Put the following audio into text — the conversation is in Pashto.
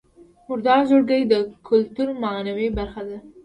مردار ځړوکی د کولتور معنوي برخه ده